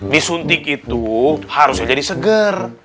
disuntik itu harusnya jadi seger